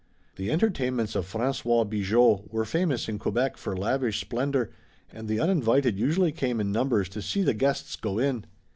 The entertainments of François Bigot were famous in Quebec for lavish splendor, and the uninvited usually came in numbers to see the guests go in.